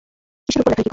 কিসের উপর লেখালেখি করো?